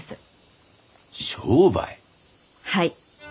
はい。